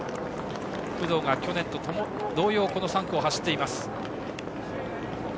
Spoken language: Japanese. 工藤が去年と同様３区を走っています。